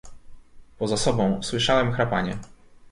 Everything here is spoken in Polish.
"Poza sobą słyszałem chrapanie."